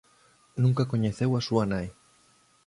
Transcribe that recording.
Nunca coñeceu a súa nai.